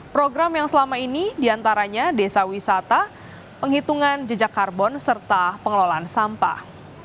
program yang selama ini diantaranya desa wisata penghitungan jejak karbon serta pengelolaan sampah